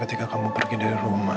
ketika kamu pergi dari rumah